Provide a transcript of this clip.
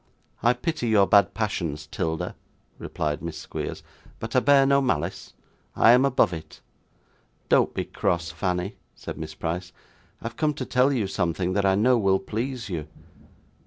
'I pity your bad passions, 'Tilda,' replied Miss Squeers, 'but I bear no malice. I am above it.' 'Don't be cross, Fanny,' said Miss Price. 'I have come to tell you something that I know will please you.